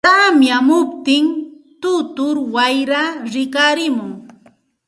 tamyamuptin tutur wayraa rikarimun.